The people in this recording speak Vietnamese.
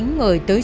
hợp ơi hợp ơi